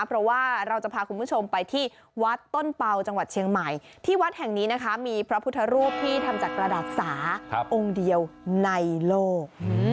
เพราะว่าเราจะพาคุณผู้ชมไปที่วัดต้นเป่าจังหวัดเชียงใหม่ที่วัดแห่งนี้นะคะมีพระพุทธรูปที่ทำจากกระดาษสาองค์เดียวในโลก